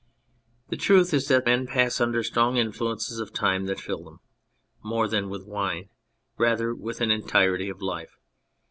The truth is that men pass under strong influences of time that fill them more than with wine, rather with an entirety of life.